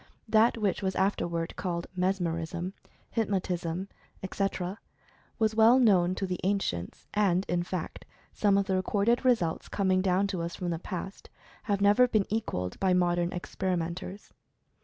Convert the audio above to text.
That which was afterward called Mes merism, Hypnotism, etc., was well known to the an cients, and, in fact, some of the recorded results com ing down to us from the past, have never been equalled by modern experimentors.